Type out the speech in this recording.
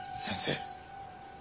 先生